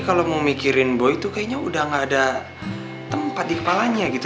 b rookieicken juga nana mungkin